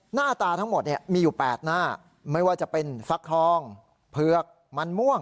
หน้าตาทั้งหมดมีอยู่๘หน้าไม่ว่าจะเป็นฟักทองเผือกมันม่วง